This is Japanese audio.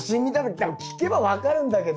多分聞けば分かるんだけど。